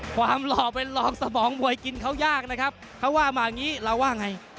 หล่อเป็นหลอกสมองมวยกินเขายากนะครับเขาว่ามาอย่างนี้เราว่าไง